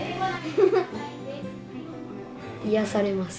癒やされます。